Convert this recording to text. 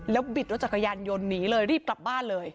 บิดรถจักรยานยนต์หนีเลยรีบกลับบ้านเลย